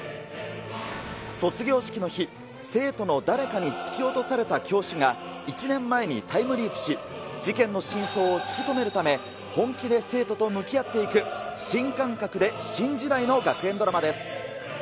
卒業式の日、生徒の誰かに突き落とされた教師が、１年前のタイムリープし、事件の真相を突き止めるため、本気で生徒と向き合っていく、新感覚で新時代の学園ドラマです。